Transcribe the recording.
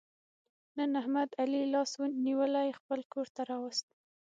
نن احمد علي لاس نیولی خپل کورته را وست.